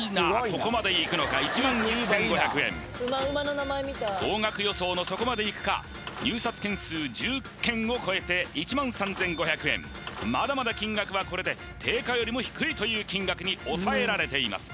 ここまでいくのか１１５００円高額予想のそこまでいくか入札件数１０件を超えて１３５００円まだまだ金額はこれで定価よりも低いという金額に抑えられています